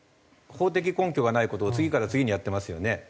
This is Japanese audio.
法的根拠がない事を次から次にやってますよね。